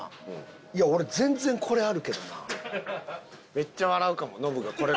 めっちゃ笑うかもノブがこれ。